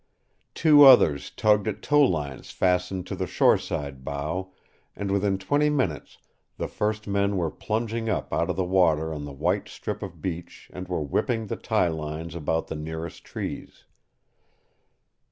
Two others tugged at tow lines fastened to the shoreside bow, and within twenty minutes the first men were plunging up out of the water on the white strip of beach and were whipping the tie lines about the nearest trees.